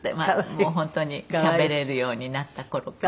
もう本当にしゃべれるようになった頃から。